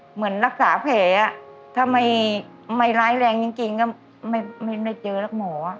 เหมือนรักษาแผลอ่ะถ้าไม่ไม่ร้ายแรงจริงจริงก็ไม่ไม่เจอแล้วหมออ่ะ